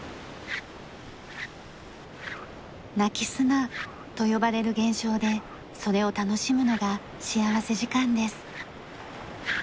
鳴き砂と呼ばれる現象でそれを楽しむのが幸福時間です。